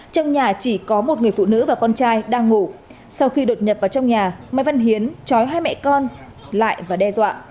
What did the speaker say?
trong nhà chỉ có một người phụ nữ và con trai đang ngủ sau khi đột nhập vào trong nhà mai văn hiến trói hai mẹ con lại và đe dọa